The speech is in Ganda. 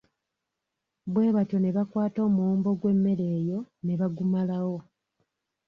Bwe batyo ne bakwata omuwumbo gw’emmere eyo ne bagumalawo.